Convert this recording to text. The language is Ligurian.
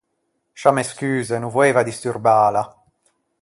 Scià me scuse, no voeiva disturbâla.